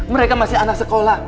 mereka masih anak sekolah